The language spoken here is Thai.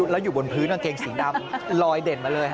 แล้วอยู่บนพื้นกางเกงสีดำลอยเด่นมาเลย